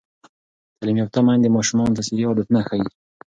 تعلیم یافته میندې ماشومانو ته صحي عادتونه ښيي.